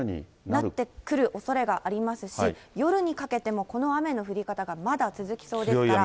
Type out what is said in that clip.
なってくるおそれがありますし、夜にかけても、この雨の降り方がまだ続きそうですから。